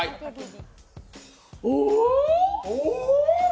お。